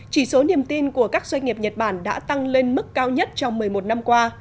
chỉ số niềm tin của các doanh nghiệp nhật bản đã tăng lên mức cao nhất trong một mươi một năm qua